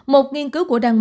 một nghiên cứu của đan mạch